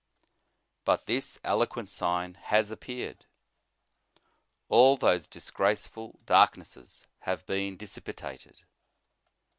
But this eloquent Sign has appeared. All those disgraceful darknesses have been dissipated.